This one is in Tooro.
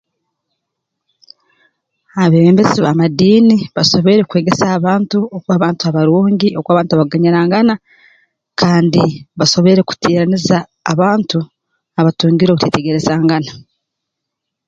Abeebembezi b'amadiini basoboire kwegesa abantu okuba bantu abarungi okuba bantu abakuganyirangana kandi basoboire kuteeraniza abantu abatungire obuteetegerezangana